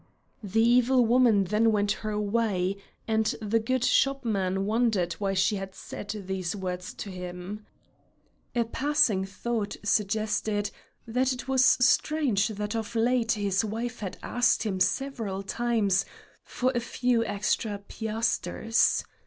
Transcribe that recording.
The evil woman then went her way, and the good shopman wondered why she had said these words to him. A passing thought suggested that it was strange that of late his wife had asked him several times for a few extra piasters.